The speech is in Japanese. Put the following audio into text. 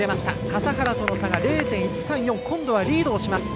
笠原との差が０．１３４今度はリードをします。